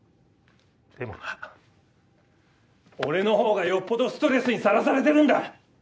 でもな俺の方がよっぽどストレスにさらされてるんだ！